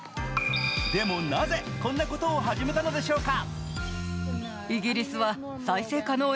でもなぜ、こんなことを始めたのでしょうか。